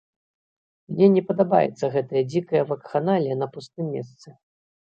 Мне не падабаецца гэтая дзікая вакханалія на пустым месцы.